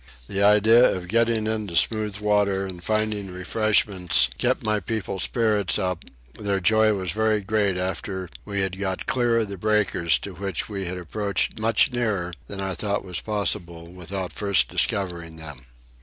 The idea of getting into smooth water and finding refreshments kept my people's spirits up: their joy was very great after we had got clear of the breakers to which we had approached much nearer than I thought was possible, without first discovering them.